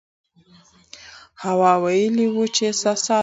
هوا ویلي وو چې احساسات لیکي.